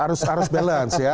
harus harus balance ya